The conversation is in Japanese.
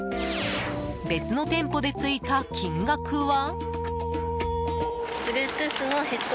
別の店舗でついた金額は？